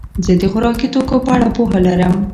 زه د خوراکي توکو په اړه پوهه لرم.